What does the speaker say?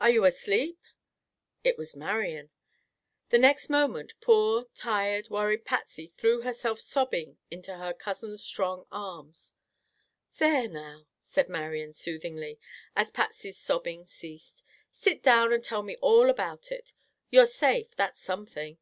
Are you asleep?" It was Marian. The next moment poor, tired, worried Patsy threw herself sobbing into her cousin's strong arms. "There now," said Marian, soothingly, as Patsy's sobbing ceased, "sit down and tell me all about it. You're safe; that's something.